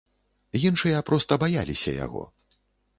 Іншыя проста баяліся яго.